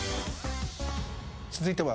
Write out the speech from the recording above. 続いては。